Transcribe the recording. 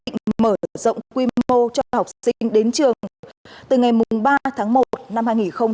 định mở rộng quy mô cho học sinh đến trường từ ngày ba tháng một năm hai nghìn hai mươi